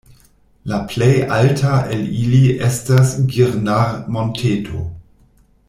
La plej alta el ili estas Girnar-Monteto.